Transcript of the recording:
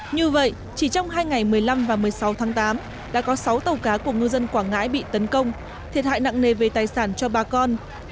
như vậy chỉ trong hai ngày một mươi năm và một mươi sáu tháng tám đã có sáu tàu cá của ngư dân quảng ngãi bị tấn công thiệt hại nặng nề về tài sản cho bà con